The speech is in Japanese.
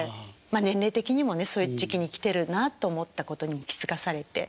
まあ年齢的にもねそういう時期に来てるなあと思ったことにも気付かされて。